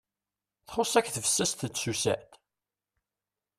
Txus-ak tbessast d tsusat?